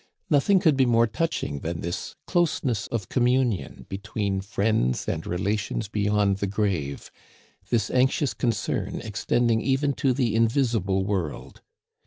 Nothing could be more touching than this closeness of communion be tween friends and relations beyond the grave, this anx ious concern extending even to the invisible world.